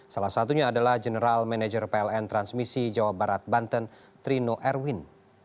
salah satunya adalah general manager pln transmisi jawa barat banten trino erwin